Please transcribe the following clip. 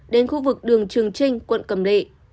đến khu vực đường trường trinh quận cầm lệ